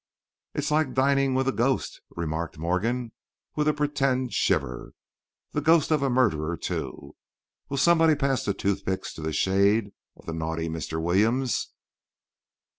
"It's like dining with a ghost," remarked Morgan, with a pretended shiver. "The ghost of a murderer, too! Will somebody pass the toothpicks to the shade of the naughty Mr. Williams?"